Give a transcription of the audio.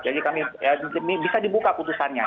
jadi kami bisa dibuka putusannya